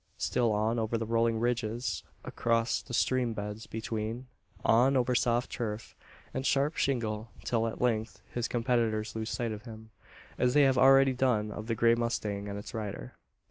Still on, over the rolling ridges across the stream beds between on, over soft turf, and sharp shingle, till at length his competitors lose sight of him as they have already done of the grey mustang and its rider.